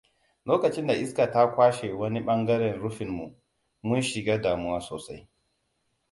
Lokacin da iska ta kwashe wani ɓangaren rufinmu mun shiga damuwa sosai.